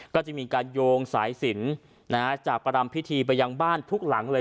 ก็จะมีการโยงสายสินจากประรำพิธีไปยังบ้านทุกหลังเลย